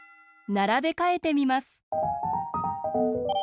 ならべかえてみます。